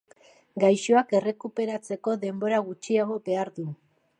Gaixoak errekuperatzeko denbora gutxiago behar du.